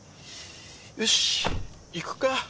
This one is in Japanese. よっし行くか。